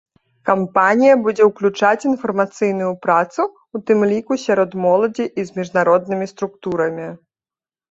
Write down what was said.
Кампанія будзе ўключаць інфармацыйную працу, у тым ліку сярод моладзі і з міжнароднымі структурамі.